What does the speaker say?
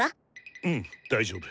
「うん大丈夫。